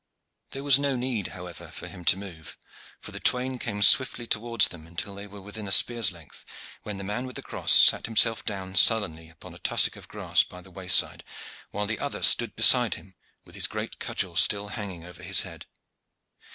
There was no need, however, for him to move, for the twain came swiftly towards them until they were within a spear's length, when the man with the cross sat himself down sullenly upon a tussock of grass by the wayside, while the other stood beside him with his great cudgel still hanging over his head.